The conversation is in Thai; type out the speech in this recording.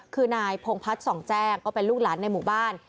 คือนายพงพัฒน์สองแจ้งก็เป็นลูกหลานในหมู่บ้าน